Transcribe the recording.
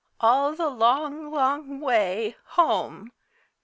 all the long, long way home!